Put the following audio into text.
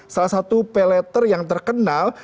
salah satu pay letter yang terkenal